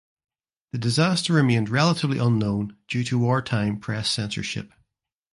The disaster remained relatively unknown due to wartime press censorship.